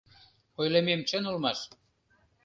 — Ойлымем чын улмаш.